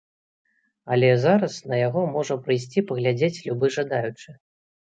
Але зараз на яго можа прыйсці паглядзець любы жадаючы.